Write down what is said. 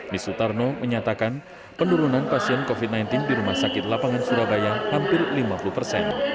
nisutarno menyatakan penurunan pasien covid sembilan belas di rumah sakit lapangan surabaya hampir lima puluh persen